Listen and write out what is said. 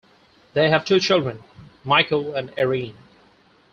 They have two children, Michael and Erin.